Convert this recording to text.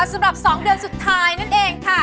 สำหรับ๒เดือนสุดท้ายนั่นเองค่ะ